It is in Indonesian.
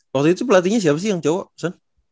waktu itu pelatihnya siapa sih yang cowo son